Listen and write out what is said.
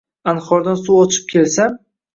Anhordan suv ochib kelsam